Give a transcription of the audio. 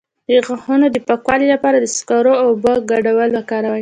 د غاښونو د پاکوالي لپاره د سکرو او اوبو ګډول وکاروئ